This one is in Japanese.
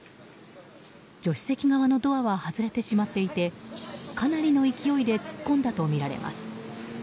助手席側のドアは外れてしまっていてかなりの勢いで突っ込んだとみられます。